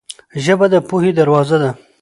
ژبه د پوهې دروازه ده.